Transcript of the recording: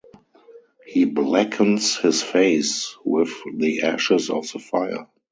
He blackens his face with the ashes of the fire.